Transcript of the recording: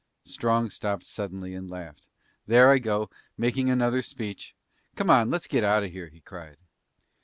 Strong stopped suddenly and laughed. "There I go, making another speech! Come on. Let's get out of here," he cried.